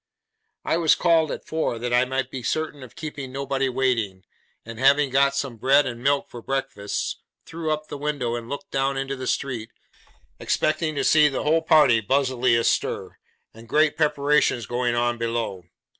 I was called at four, that I might be certain of keeping nobody waiting; and having got some bread and milk for breakfast, threw up the window and looked down into the street, expecting to see the whole party busily astir, and great preparations going on below.